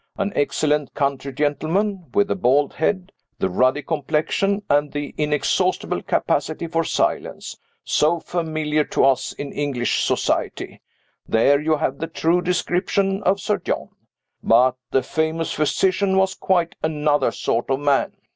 An excellent country gentleman, with the bald head, the ruddy complexion, and the inexhaustible capacity for silence, so familiar to us in English society there you have the true description of Sir John. But the famous physician was quite another sort of man.